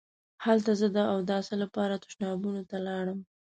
هلته زه د اوداسه لپاره تشنابونو ته لاړم.